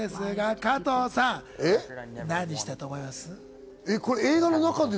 加藤さん、何したと思います？